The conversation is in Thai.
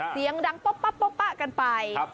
เสียงดังป๊ะกันไป